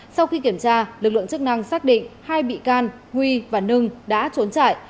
sau khi kiểm tra lực lượng chức năng xác định hai bị can huy và nưng đã trốn trải